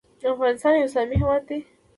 افغانستان یو اسلامي هیواد دی